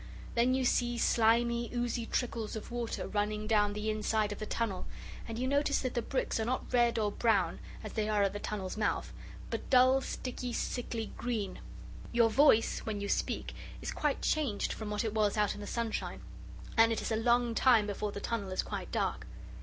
Then you see slimy, oozy trickles of water running down the inside of the tunnel, and you notice that the bricks are not red or brown, as they are at the tunnel's mouth, but dull, sticky, sickly green. Your voice, when you speak, is quite changed from what it was out in the sunshine, and it is a long time before the tunnel is quite dark.